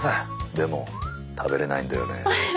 「でも食べれないんだよね」。